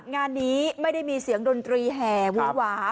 งานนี้ไม่ได้มีเสียงดนตรีแห่วูหวา